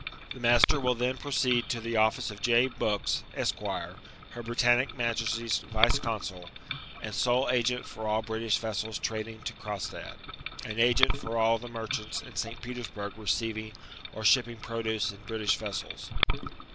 Ihe master wiH then proceed to the office of J. Bookbb, £s(}.. Her Britannic 'Majesty's Yioe Consu], and sole agent for all British vessels tradm^ to Cronstadt, and i^nt for all the merchants in St^ Petersburg receiving or shipping produce in Britifi£ vessels.